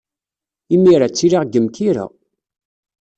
Imir-a, ttiliɣ deg Mkira.